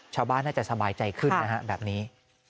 ชาวบ้านน่าจะสบายใจขึ้นนะฮะแบบนี้